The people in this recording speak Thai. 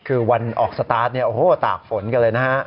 คือวันออกสตาร์ทตากฝนกันเลยนะฮะ